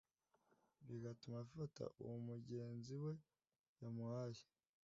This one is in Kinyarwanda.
bigatuma afata uwo mugenzi we yamuhaye